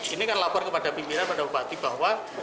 ini kan lapor kepada pimpinan kepada bupati bahwa